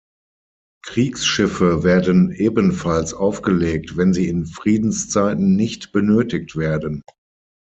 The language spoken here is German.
Kriegsschiffe werden ebenfalls aufgelegt, wenn sie in Friedenszeiten nicht benötigt werden.